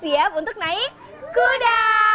siap untuk naik kuda